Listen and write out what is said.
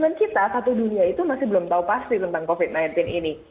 kita satu dunia itu masih belum tahu pasti tentang covid sembilan belas ini